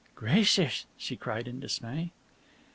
"Gracious!" she cried in dismay.